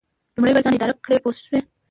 لومړی باید ځان اداره کړئ پوه شوې!.